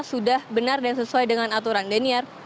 sudah benar dan sesuai dengan aturan daniar